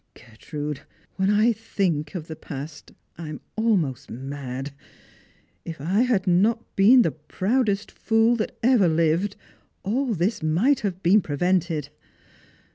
Gertrude, when I think of th^ past I am almost mad. If I had not been the proudest fooi Vhat ever lived, all this might have been prevented.